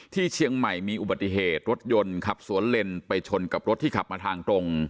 ที่เชียงใหม่มีอุบัติเหตุรถยนต์ขับสวนเลนไปชนกับรถที่ขับมาทางตรง